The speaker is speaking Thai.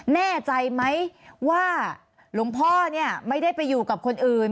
แน่ใจไหมว่าหลวงพ่อเนี่ยไม่ได้ไปอยู่กับคนอื่น